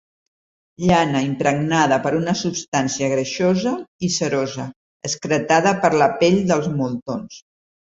Llana impregnada per una substància greixosa i cerosa excretada per la pell dels moltons.